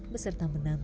setelah y further